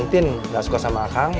tin gak suka sama akang